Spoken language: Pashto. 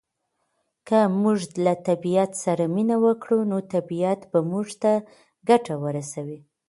که موږ له طبعیت سره مینه وکړو نو طبعیت به موږ ته ګټه ورسوي.